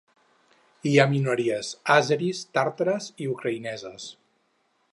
Hi ha minories àzeris, tàrtares i ucraïneses.